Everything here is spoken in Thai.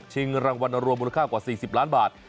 รางวัลรวมมูลค่ากว่า๔๐ล้านบาท